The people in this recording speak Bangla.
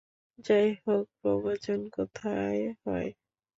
যাইহোক, প্রবচন কোথায় হয়?